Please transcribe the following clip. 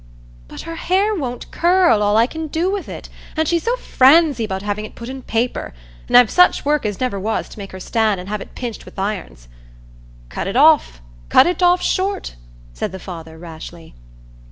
"But her hair won't curl all I can do with it, and she's so franzy about having it put i' paper, and I've such work as never was to make her stand and have it pinched with th' irons." "Cut it off—cut it off short," said the father, rashly.